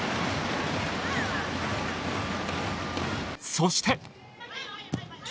そして。